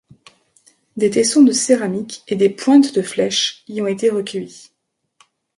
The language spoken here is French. Des tessons de céramique et des pointes de flèches y ont été recueillis.